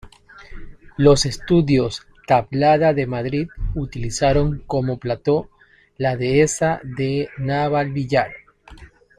Los Estudios Tablada de Madrid utilizaron como plató la dehesa de Navalvillar.